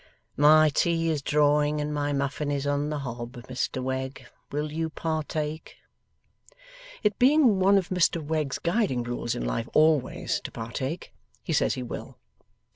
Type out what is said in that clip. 'My tea is drawing, and my muffin is on the hob, Mr Wegg; will you partake?' It being one of Mr Wegg's guiding rules in life always to partake, he says he will.